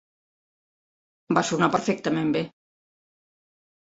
Va sonar perfectament bé.